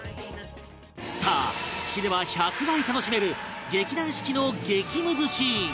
さあ知れば１００倍楽しめる劇団四季の激ムズシーン